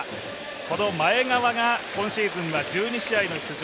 この前川が今シーズンは１２試合の出場。